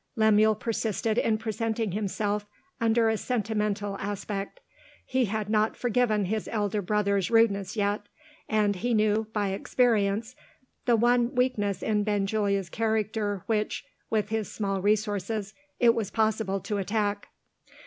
Lemuel persisted in presenting himself under a sentimental aspect. He had not forgiven his elder brother's rudeness yet and he knew, by experience, the one weakness in Benjulia's character which, with his small resources, it was possible to attack.